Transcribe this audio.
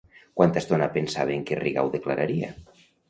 Quanta estona pensaven que Rigau declararia?